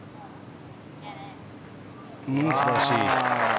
素晴らしい。